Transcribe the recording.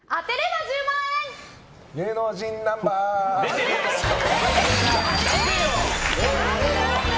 芸能人ナンバーズ。